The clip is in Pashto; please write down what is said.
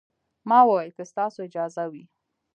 ما وويل که ستاسو اجازه وي.